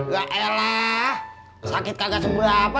gak elah sakit kagak sebulah apa